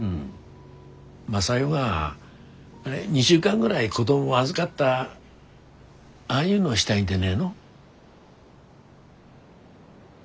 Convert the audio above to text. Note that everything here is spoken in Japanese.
雅代が２週間ぐらい子供を預がったああいうのがしたいんでねえの？